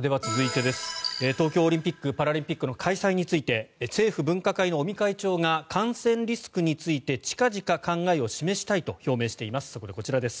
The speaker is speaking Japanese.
では、続いて東京オリンピック・パラリンピックの開催について政府分科会の尾身会長が感染リスクについて近々、考えを示したいと表明しています。